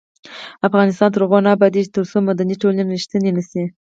افغانستان تر هغو نه ابادیږي، ترڅو مدني ټولنې ریښتینې نشي.